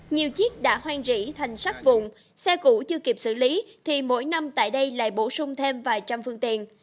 nhiều chiếc đã hoang rỉ thành sát vùng xe cũ chưa kịp xử lý thì mỗi năm tại đây lại bổ sung thêm vài trăm phương tiện